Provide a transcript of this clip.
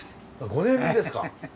５年ぶりですか。